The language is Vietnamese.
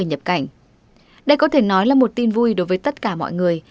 nói là một tin vui đối với tất cả mọi người